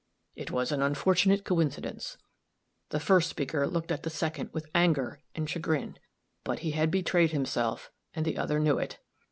It was an unfortunate coincidence. The first speaker looked at the second with anger and chagrin; but he had betrayed himself, and the other knew it.